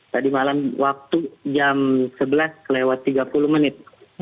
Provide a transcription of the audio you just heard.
tadi malam waktu jam sebelas lewat tiga puluh menit